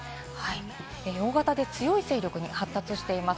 大型で強い勢力に発達しています。